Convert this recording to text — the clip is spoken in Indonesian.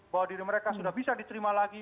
bahwa diri mereka sudah bisa diterima lagi